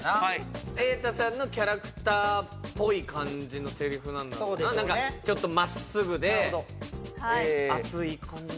瑛太さんのキャラクターっぽい感じのセリフなんだろうなちょっとまっすぐで熱い感じ？